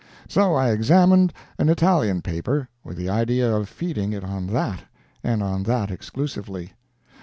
So I examined an Italian paper, with the idea of feeding it on that, and on that exclusively.